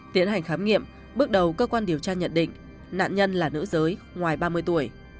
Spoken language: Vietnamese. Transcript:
tiến hành khám nghiệm bước đầu cơ quan điều tra nhận định nạn nhân là nữ giới ngoài ba mươi tuổi